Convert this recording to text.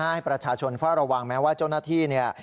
ให้ประชาชนเฝ้าระวังแม้ว่าเจ้าหน้าที่เนี่ย